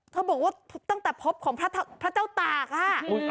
เขาบอกว่าตั้งแต่พบของพระเจ้าตากค่ะ